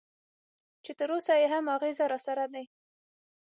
چې تراوسه یې هم اغېز راسره دی.